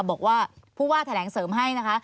บอกว่าผู้ว่าแถลงเสริมให้นะคะ